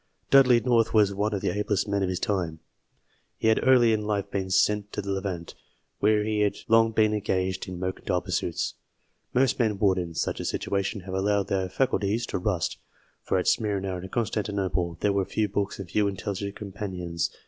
Dudley North was one of the ablest men of his time. He had early in life been sent to the Levant, where he had long been engaged in mercantile pursuits. Most men would; in such a situation, have allowed their faculties to rust ; for at Smyrna and Con stantinople there were few books and few intelligent companions.